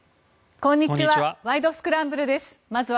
こんにちは。